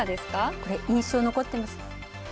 これ印象に残っています。